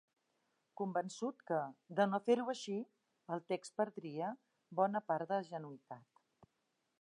Convençut que, de no fer-ho així, el text perdria bona part de genuïnitat.